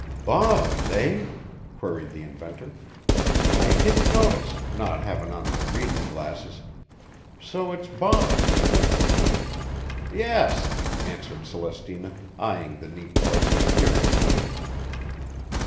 "Bob's, eh?" queried the inventor. "I didn't notice, not havin' on my readin' glasses. So it's Bob's, is it?" "Yes," answered Celestina, eyeing the neat parcel curiously.